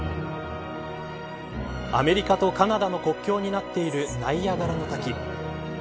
アメリカとカナダの国境になっているナイアガラの滝。